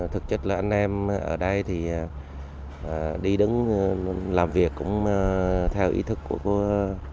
thực chất là anh em ở đây thì đi đứng làm việc cũng theo ý thức của